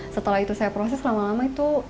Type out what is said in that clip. setelah itu saya proses lama lama itu